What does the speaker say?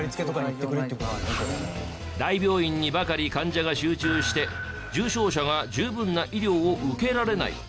大病院にばかり患者が集中して重症者が十分な医療を受けられない。